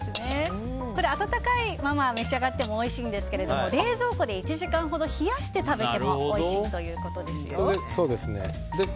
温かいまま召し上がってもおいしいんですが冷蔵庫で１時間ほど冷やして食べてもおいしいということですよ。